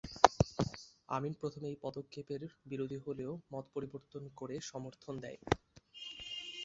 আমিন প্রথমে এই পদক্ষেপের বিরোধী হলেও মত পরিবর্তন করে সমর্থন দেন।